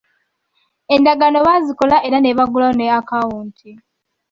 Endagaano baazikola era ne baggulawo ne akawunti.